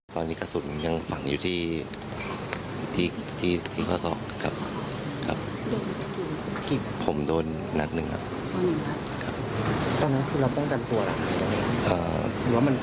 ตอนนี้กระสุนยังฝังอยู่ที่ที่ที่ที่ข้อสอบครับครับผมโดนนักหนึ่งครับ